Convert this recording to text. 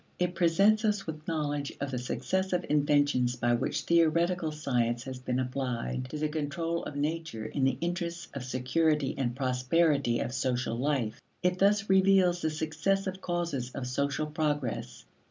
It presents us with knowledge of the successive inventions by which theoretical science has been applied to the control of nature in the interests of security and prosperity of social life. It thus reveals the successive causes of social progress.